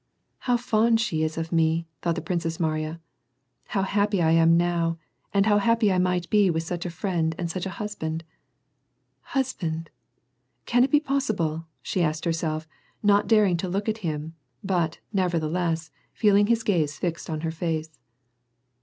"How fond she is of me," thought the Princess Mariya. "How happy I am now, and how happy I might be with such a friend and such a husband ! Husband I Can it be possi ble ?" she asked herself, not daring to look at him, but, never thf'less, feeling his gaze fixed on her face.